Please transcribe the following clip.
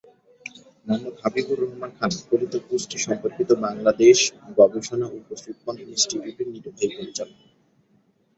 মোহাম্মদ হাবিবুর রহমান খান ফলিত পুষ্টি সম্পর্কিত বাংলাদেশ গবেষণা ও প্রশিক্ষণ ইনস্টিটিউটের নির্বাহী পরিচালক।